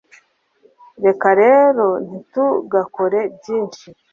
reka rero ntitugakore byinshi